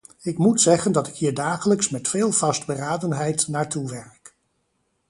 Ik moet zeggen dat ik hier dagelijks met veel vastberadenheid naartoe werk.